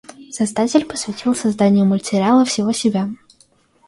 Создатель посвятил созданию мультсериала всего себя.